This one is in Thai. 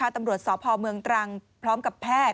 ตำรวจสพเมืองตรังพร้อมกับแพทย์